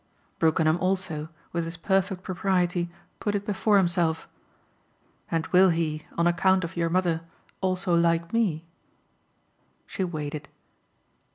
Brookenham also, with his perfect propriety, put it before himself. "And will he on account of your mother also like ME?" She weighed it.